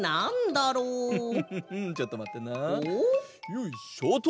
よいしょっと。